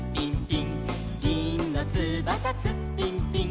「ぎんのつばさツッピンピン」